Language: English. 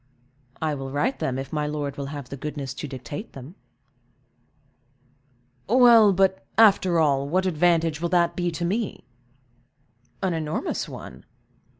"I will write them, if my lord will have the goodness to dictate them." "Well, but, after all, what advantage will that be to me?" "An enormous one.